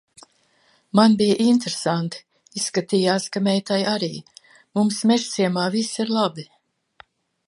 Man bija interesanti, izskatījās, ka meitai arī. Mums Mežciemā viss ir labi.